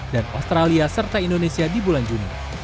dan australia serta indonesia di bulan juni